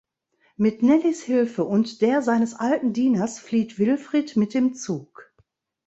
Mit Nellys Hilfe und der seines alten Dieners flieht Wilfried mit dem Zug.